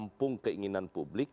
menampung keinginan publik